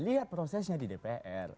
lihat prosesnya di dpr